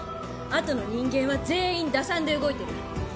あとの人間は全員打算で動いてる。